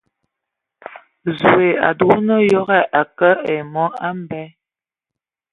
Zoe a dugan yoge ai kǝg a mɔ, a bee !